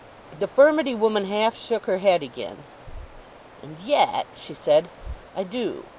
The furmity woman half shook her head again. "And yet," she said, "I do.